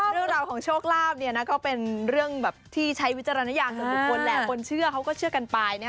เรื่องราวของโชคลาภเนี่ยนะก็เป็นเรื่องแบบที่ใช้วิจารณญาณส่วนบุคคลแหละคนเชื่อเขาก็เชื่อกันไปนะ